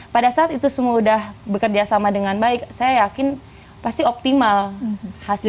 pada saat itu semua sudah bekerja sama dengan baik saya yakin pasti optimal hasilnya